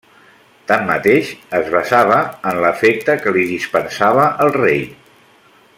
Tanmateix, es basava en l'afecte que li dispensava el rei.